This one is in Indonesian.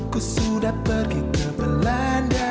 ku sudah pergi ke belanda